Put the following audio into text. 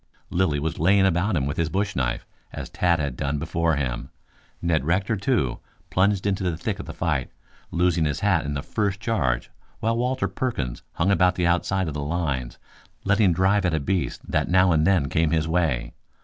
Lilly was laying about him with his bush knife, as Tad had done before him. Ned Rector, too, plunged into the thick of the fight, losing his hat in the first charge, while Walter Perkins hung about the outside of the lines, letting drive at a beast that now and then came his way.